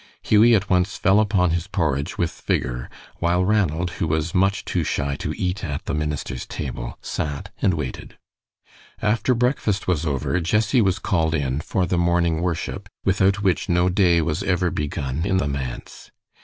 Hughie at once fell upon his porridge with vigor, while Ranald, who was much too shy to eat at the minister's table, sat and waited. After breakfast was over, Jessie was called in for the morning worship, without which no day was ever begun in the manse.